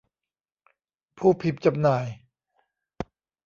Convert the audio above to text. ผู้พิมพ์จำหน่าย